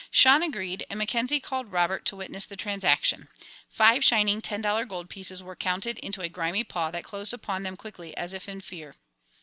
Chan agreed, and Mackenzie called Robert to witness the transaction. Five shining ten dollar gold pieces were counted out into a grimy paw that closed upon them quickly, as if in fear.